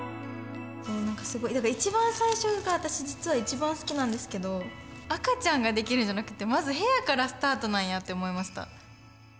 一番最初が私実は一番好きなんですけど赤ちゃんができるんじゃなくてまず部屋からスタートなんやって思いました。